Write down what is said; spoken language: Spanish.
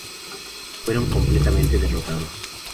Fueron completamente derrotados.